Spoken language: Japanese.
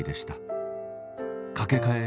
かけ替え